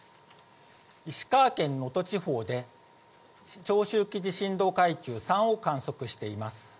石川県能登地方で長周期地震動階級３を観測しています。